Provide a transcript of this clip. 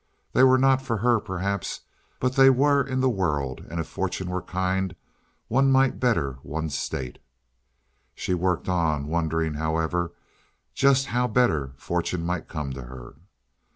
They were not for her, perhaps, but they were in the world, and if fortune were kind one might better one's state. She worked on, wondering, however, just how better fortune might come to her.